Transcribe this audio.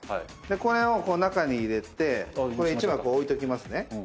これを中に入れてこれ１枚置いときますね。